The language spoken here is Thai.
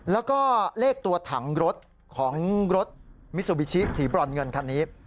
แล้วก็เลขตัวถังรถของรถมิซูบิชิสีบรอนเงินคันนี้